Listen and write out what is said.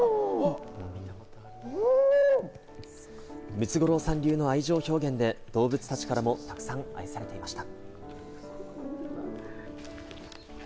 ムツゴロウさん流の愛情表現で動物たちからもたくさん愛されていました。